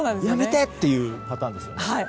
やめてっていうパターンですね。